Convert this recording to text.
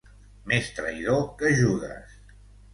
Més traïdor que Judes.